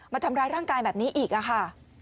มาทำร้ายร่างกายแบบนี้อีกค่ะ